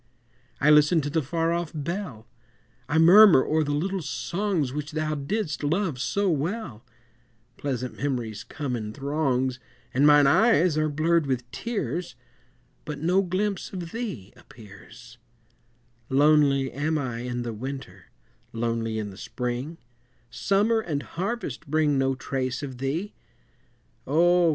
I listen to the far off bell, I murmur o'er the little songs Which thou didst love so well, Pleasant memories come in throngs And mine eyes are blurred with tears, But no glimpse of thee appears: Lonely am I in the Winter, lonely in the Spring, Summer and Harvest bring no trace of thee Oh!